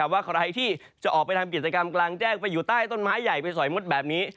ว่าใครที่จะออกไปทำกิจกรรมกลางแจ้งไปอยู่ใต้ต้นไม้ใหญ่ไปสอยมดแบบนี้